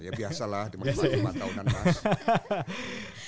biasalah dimana mana lima tahunan mas